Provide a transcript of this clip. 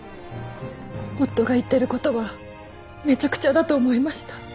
夫が言っている事はめちゃくちゃだと思いました。